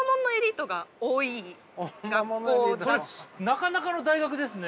なかなかの大学ですね。